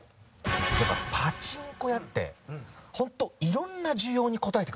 パチンコ屋って本当いろんな需要に応えてくれるんですよ。